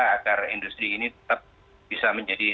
agar industri ini tetap bisa menjadi